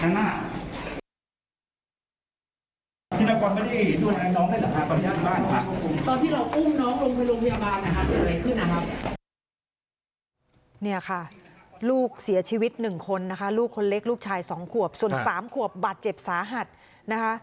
เนี่ยค่ะลูกเสียชีวิต๑คนนะคะลูกคนเล็กลูกชาย๒ขวบส่วน๓ขวบบาดเจ็บสาหัสนะคะ